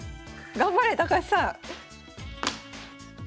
頑張れ高橋さん。